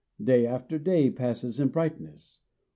Day after day passes in brightness.